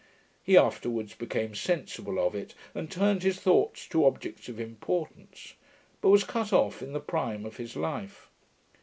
He afterwards became sensible of it, and turned his thoughts to objects of importance; but was cut off in the prime of his life.